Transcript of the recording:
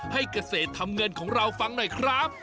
ให้เกษตรทำเงินของเราฟังหน่อยครับ